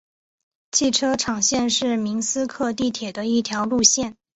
汽车厂线是明斯克地铁的一条路线。